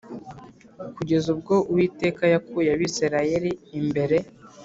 Kugeza ubwo uwiteka yakuye abisirayeli imbere